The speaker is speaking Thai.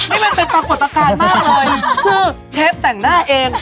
นี่มันเป็นปรากฏการณ์มากเลย